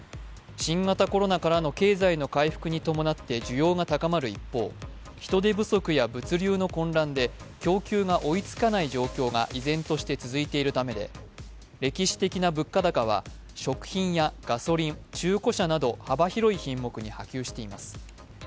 新型コロナからの経済の回復に伴って需要が高まる一方、人手不足や物流の混乱で供給が追いつかない状況が依然として続いているためで、歴史的な物価高は、食品やガソリン、中古車など幅広い品目に波及しています。